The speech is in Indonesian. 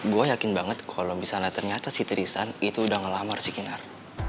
gue yakin banget kalau misalnya ternyata si tirisan itu udah ngelamar si kinar